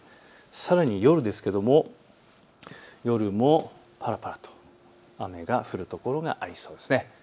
さらに夜ですが夜もぱらぱらと雨が降る所がありそうです。